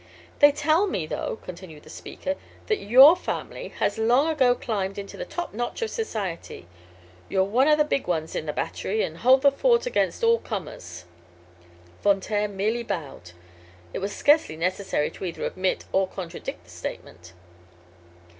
"They tell me, though," continued the speaker, "that your family has long ago climbed into the top notch of society. You're one o' the big guns in the battery, an' hold the fort against all comers." Von Taer merely bowed. It was scarcely necessary to either admit or contradict the statement.